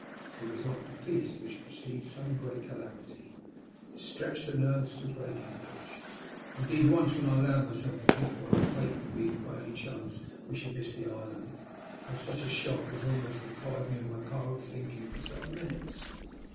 It was like the peace which precedes some great calamity. It stretched the nerves to breaking pitch. Indeed, once when I allowed myself to think what our fate would be if by any chance we should miss the island, I had such a shock as almost deprived me of my power of thinking for some minutes.